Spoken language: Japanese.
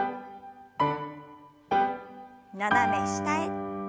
斜め下へ。